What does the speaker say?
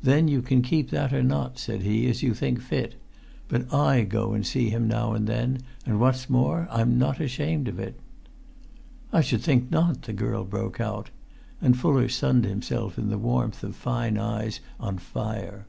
"Then you can keep that or not," said he, "as you think fit; but I go and see him now and then, and, what's more, I'm not ashamed of it." "I should think not!" the girl broke out; and Fuller sunned himself in the warmth of fine eyes on fire.